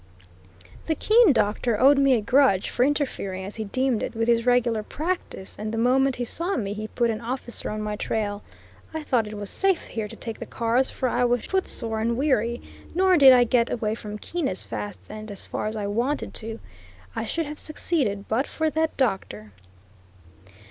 The Keene doctor owed me a grudge for interfering, as he deemed it; with his regular practice, and the moment he saw me he put an officer on my trail. I thought it was safe here to take the cars, for I was footsore and weary, nor did I get away from Keene as fast and as far as I wanted to. I should have succeeded but for that doctor.